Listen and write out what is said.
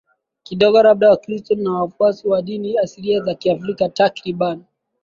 kidogo labda Wakristo na wafuasi wa dini asilia za Kiafrika takriban